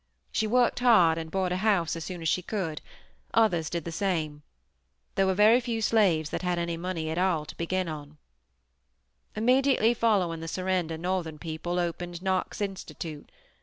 She worked hard and bought a house as soon as she could; others did the same. There were very few slaves that had any money at all to begin on. "Immediately following the surrender northern people opened Knox Institute.